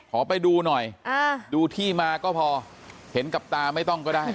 ขอไปดูหน่อยดูที่มาก็พอเห็นกับตาไม่ต้องก็ได้